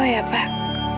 oh ya pak